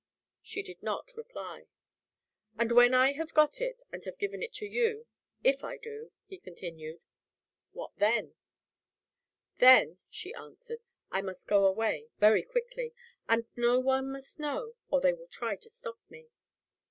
She did not reply. "And when I have got it, and have given it to you if I do," he continued, "what then?" "Then," she answered, "I must go away very quickly. And no one must know, or they will try to stop me."